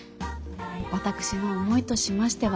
私の思いとしましては